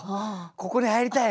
ここに入りたい。